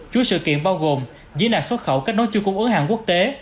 chuỗi sự kiện bao gồm diễn đạt xuất khẩu kết nối chủ cung ứng hàng quốc tế